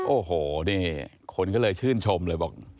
โอ้โหนี่คนก็เลยชื่นชมเลยบอก